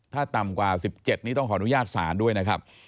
ถ้าต่ำกว่า๑๗นี้ต้องขออนุญาตศาลด้วยนะครับ